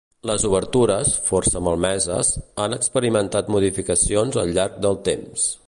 Les obertures, força malmeses, han experimentat modificacions al llarg del temps.